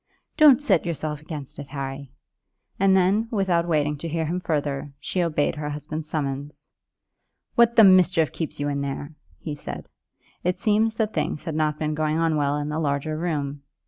"Don't set yourself against it, Harry," and then, without waiting to hear him further, she obeyed her husband's summons. "What the mischief keeps you in there?" he said. It seemed that things had not been going well in the larger room.